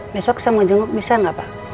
besok saya mau jenguk bisa enggak pak